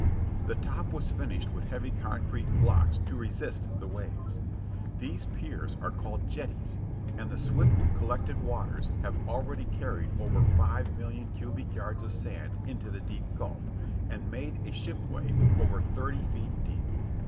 The top was finished with heavy concrete blocks, to resist the waves. These piers are called "jetties," and the swift collected waters have already carried over five million cubic yards of sand into the deep gulf, and made a ship way over thirty feet deep.